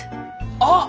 あっ！